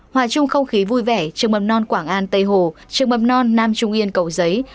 hòa chung không khí vui vẻ trường mầm non quảng an tây hồ trường mầm non nam trung yên cầu giấy